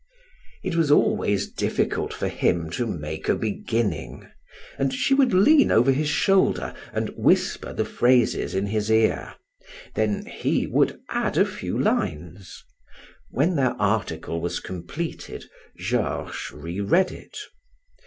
It was always difficult for him to make a beginning and she would lean over his shoulder and whisper the phrases in his ear, then he would add a few lines; when their article was completed, Georges re read it.